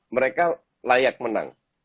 mereka layak menang